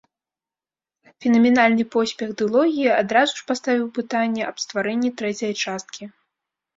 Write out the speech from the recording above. Фенаменальны поспех дылогіі адразу ж паставіў пытанне аб стварэнні трэцяй часткі.